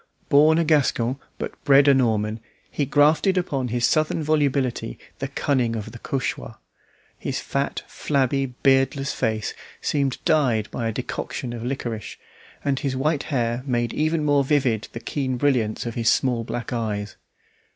Born a Gascon but bred a Norman, he grafted upon his southern volubility the cunning of the Cauchois. His fat, flabby, beardless face seemed dyed by a decoction of liquorice, and his white hair made even more vivid the keen brilliance of his small black eyes.